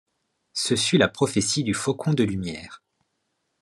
Ce fut la prophétie du Faucon de Lumière.